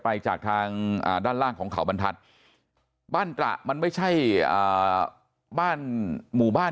ไปจากทางด้านล่างของเขาบรรทัศน์บ้านตระมันไม่ใช่บ้านหมู่บ้าน